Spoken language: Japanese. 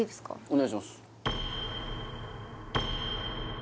お願いします